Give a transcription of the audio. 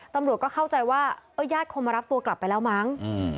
ตำรวจก็เข้าใจว่าเออญาติคงมารับตัวกลับไปแล้วมั้ง